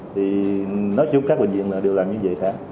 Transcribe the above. thì nói chung các bệnh viện đều làm như vậy cả